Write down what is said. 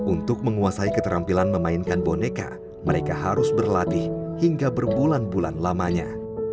untuk menguasai keterampilan memainkan boneka mereka harus berlatih hingga berbulan bulan lamanya